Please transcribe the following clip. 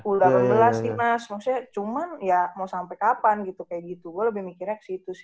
u delapan belas nih mas maksudnya cuman ya mau sampai kapan gitu kayak gitu gue lebih mikirnya ke situ sih